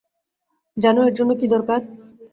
জানো এর জন্য কী দরকার?